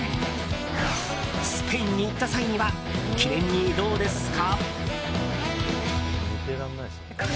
スペインに行った際には記念にどうですか？